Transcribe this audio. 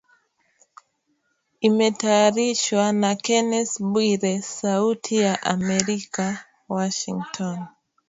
Imetayarishwa na Kennes Bwire, Sauti ya Amerika ,Washington